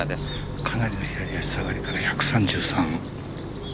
かなりの左足下がりから１３３。